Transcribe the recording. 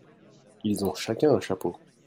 Ils ont chacun un chapeau.